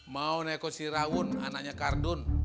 mau naik ke sirawun anaknya kardun